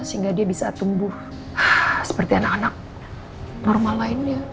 sehingga dia bisa tumbuh seperti anak anak normal lainnya